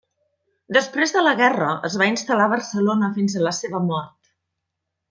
Després de la guerra es va instal·lar a Barcelona fins a la seva mort.